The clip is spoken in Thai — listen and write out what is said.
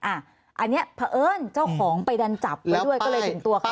อันนี้เผอิญเจ้าของไปดันจับไว้ด้วยก็เลยถึงตัวเขา